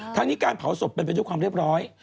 ทั้งนี้การเผาศพเป็นไปด้วยความเรียบร้อย